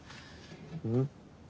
うん？